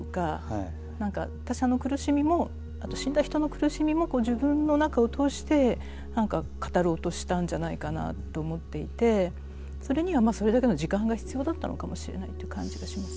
何か他者の苦しみもあと死んだ人の苦しみも自分の中を通して語ろうとしたんじゃないかなと思っていてそれにはそれだけの時間が必要だったのかもしれないっていう感じがします。